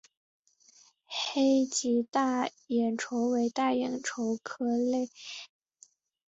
黑鳍大眼鲷为大眼鲷科大眼鲷属的鱼类。